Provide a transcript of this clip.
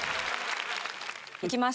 行きます。